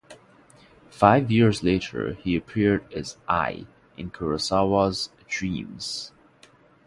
Five years later he appeared as "I" in Kurosawa's "Dreams".